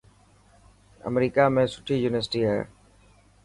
امريڪا ۾ سٺي يونيورسٽي هي.